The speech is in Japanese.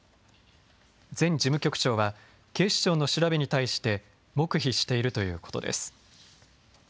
前事務局長は警視庁の調べに対して黙秘しているということです。